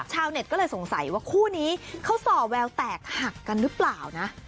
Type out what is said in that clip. ชาวเน็ตก็เลยสงสัยว่าคู่นี้เขาส่อแววแตกหักกันหรือเปล่านะ